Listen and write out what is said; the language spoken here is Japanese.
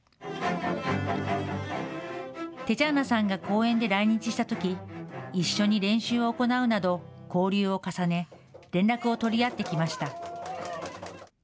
テチャーナさんが公演で来日したとき一緒に練習を行うなど交流を重ね連絡を取り合ってきました。